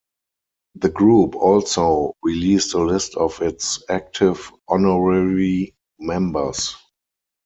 The group also released a list of its active honorary members.